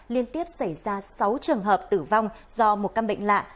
liên tiếp xảy ra sáu trường hợp tử vong do một căn bệnh lạ